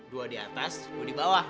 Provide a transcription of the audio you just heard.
dua di atas dua di bawah